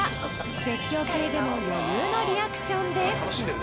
［絶叫系でも余裕のリアクションです］